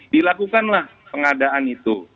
dilakukanlah pengadaan itu